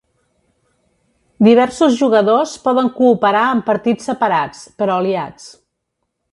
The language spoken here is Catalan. Diversos jugadors poden cooperar en partits separats, però aliats.